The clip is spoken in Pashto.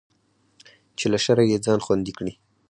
چې له شره يې ځان خوندي کړي.